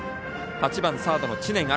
８番、サードの知念新。